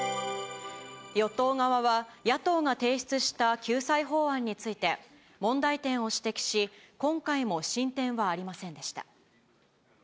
与党側は、野党が提出した救済法案について、問題点を指摘し、今回も進展はありませんでした。